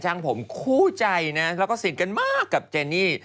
ผมคู่ใจนะแล้วก็สนิทกันมากกับเจนี่